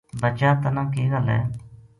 بچا تنا کے گل ہے